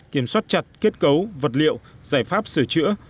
kiểm soát chặt kết cấu vật liệu giải pháp sửa chữa